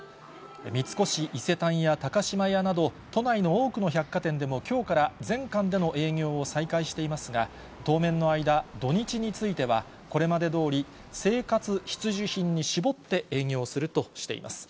三越伊勢丹や高島屋など、都内の多くの百貨店でもきょうから、全館での営業を再開していますが、当面の間、土日については、これまでどおり生活必需品に絞って営業するとしています。